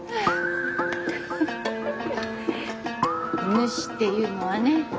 ヌシっていうのはね